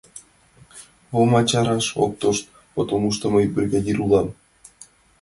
Вома чараш ок тошт, потомушто мый бригадир улам!